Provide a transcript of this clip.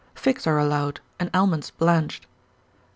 Figs are allowed, and almonds blanched.